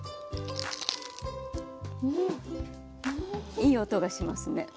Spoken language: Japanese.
いい音がしますね。